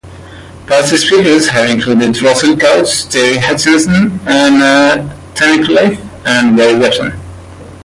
Past speakers have included Russell Coutts, Terry Hutchinson, Anna Tunnicliffe, and Gary Jobson.